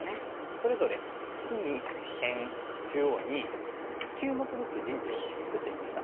それぞれ隅辺中央に９目ずつ陣地を作ってみました。